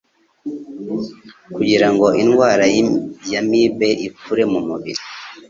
Kugira ngo indwara y'amibe ikure mu mubiri